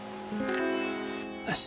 よし！